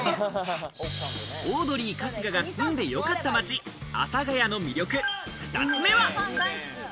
オードリー・春日が住んでよかった街、阿佐ヶ谷の魅力、２つ目は。